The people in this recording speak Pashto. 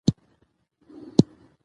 پښتو پنځه لوی ستوري لري.